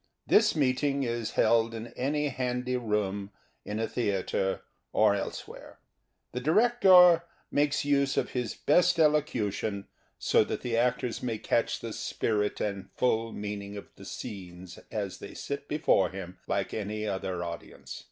This meeting is held in any handy room, in a theatre or elsewhere. The director makes use of his best elocution, 146 The Theatre and Its People so that the actors may catch the spirit and full meaning of the scenes as they sit before him like any other audience.